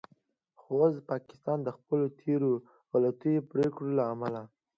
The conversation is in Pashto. خو اوس پاکستان د خپلو تیرو غلطو پریکړو له امله